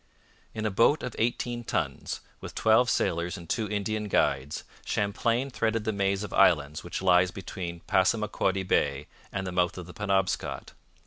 In a boat of eighteen tons, with twelve sailors and two Indian guides, Champlain threaded the maze of islands which lies between Passamaquoddy Bay and the mouth of the Penobscot.